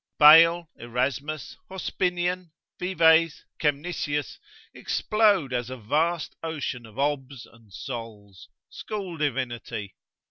Bale, Erasmus, Hospinian, Vives, Kemnisius, explode as a vast ocean of obs and sols, school divinity.